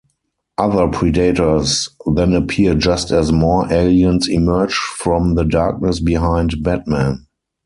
Other Predators then appear just as more Aliens emerge from the darkness behind Batman.